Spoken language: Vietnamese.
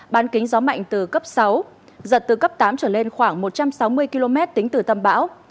bán kính gió mạnh từ cấp sáu giật từ cấp tám trở lên khoảng một trăm sáu mươi km tính từ tâm bão